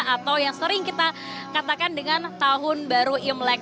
atau yang sering kita katakan dengan tahun baru imlek